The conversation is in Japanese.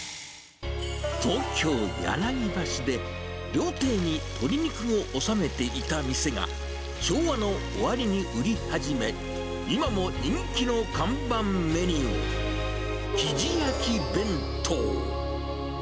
東京・柳橋で、料亭に鶏肉を納めていた店が、昭和の終りに売り始め、今も人気の看板メニュー、きじ焼き弁当。